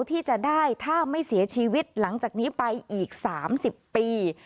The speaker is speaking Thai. ที่จะได้ถ้าไม่เสียชีวิตหลังจากนี้ไปอีก๓๐ปี